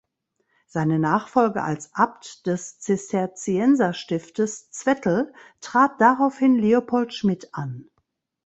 Seine Nachfolge als Abt des Zisterzienserstiftes Zwettl trat daraufhin Leopold Schmidt an.